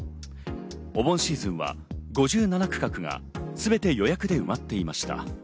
お盆シーズンは５７区画が全て予約で埋まっていました。